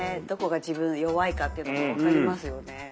どこが自分弱いかっていうのが分かりますよね。